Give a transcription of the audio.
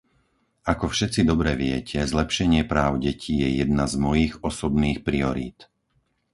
Ako všetci dobre viete, zlepšenie práv detí je jedna z mojich osobných priorít.